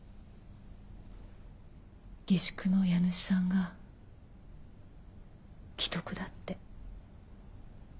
下宿の家主さんが危篤だって。